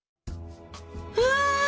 うわ！